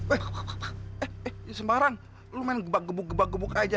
eh eh eh eh sembarang lu main gebuk gebuk aja